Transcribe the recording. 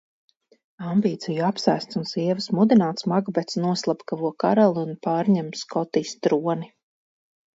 Ambīciju apsēsts un sievas mudināts Makbets noslepkavo karali un pārņem Skotijas troni.